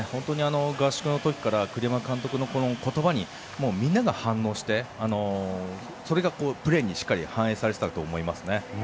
合宿の時から栗山監督の言葉にみんなが反応してそれがプレーにしっかり反映されていたと思います。